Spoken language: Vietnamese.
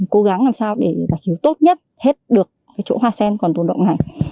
cố gắng làm sao để giải cứu tốt nhất hết được cái chỗ hoa sen còn tồn động này